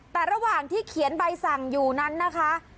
แต่ระหว่างที่เขียนใบสั่งอยู่นั้นนะคะ